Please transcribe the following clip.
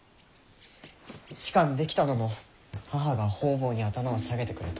仕官できたのも母が方々に頭を下げてくれたおかげ。